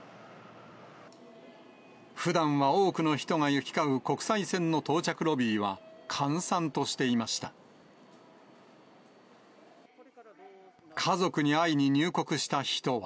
ふだんは多くの人が行き交う国際線の到着ロビーは閑散としていました。